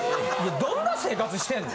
どんな生活してんの。